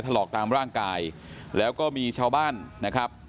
ถลอกตามร่างกายแล้วก็มีชาวบ้านนะครับ